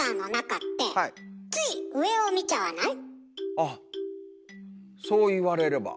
あっそう言われれば。